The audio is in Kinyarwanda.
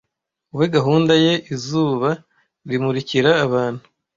wowe gahunda ye izuba rimurikira abantu